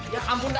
ya ampun pak